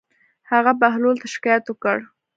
هغه بهلول ته شکايت وکړ.